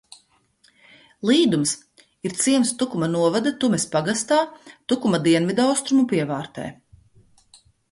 Līdums ir ciems Tukuma novada Tumes pagastā, Tukuma dienvidaustrumu pievārtē.